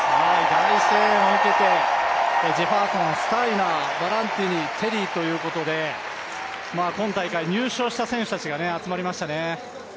大声援を受けて、ジェファーソン、スタイナー、パランティニ、チェリーということで今大会、入賞した選手たちが集まりましたね。